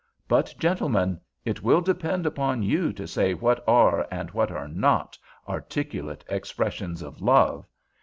But, gentlemen, it will depend upon you to say what are and what are not articulate expressions of love.